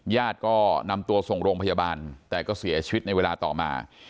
ญาติก็นำตัวส่งโรงพยาบาลแต่ก็เสียชีวิตในเวลาต่อมา